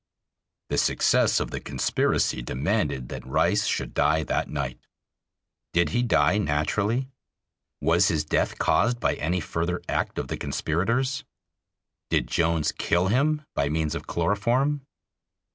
The success of the conspiracy demanded that Rice should die that night. Did he die naturally? Was his death caused by any further act of the conspirators? Did Jones kill him by means of chloroform?